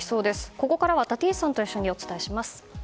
ここからは立石さんとお伝えします。